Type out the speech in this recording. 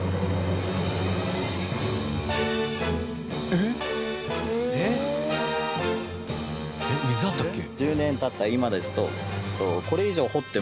えっ？えっ？えっ水あったっけ？